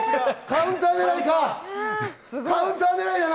カウンター狙いだな。